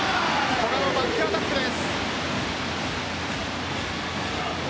古賀のバックアタックです。